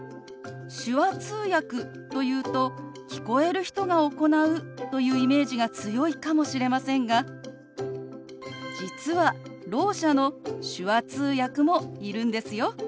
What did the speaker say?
手話通訳というと聞こえる人が行うというイメージが強いかもしれませんが実はろう者の手話通訳もいるんですよ。